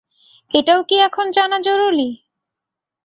এটাও কি এখন জানা জরুরী?